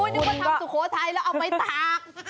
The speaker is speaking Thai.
นึกว่าทำสุโขทัยแล้วเอาไปตาก